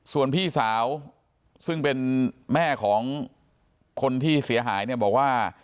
ส่วนพี่สาวซึ่งเป็นแม่ของคนที่เสียหายเนี่ยบอกว่า